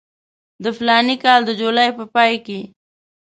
د فلاني کال د جولای په پای کې.